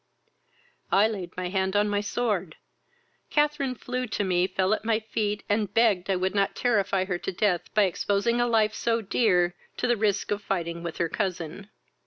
I laid my hand on my sword: Catharine flew to me, fell at my feet, and begged I would not terrify her to death by exposing a life so dear to the risk of fighting with her cousin.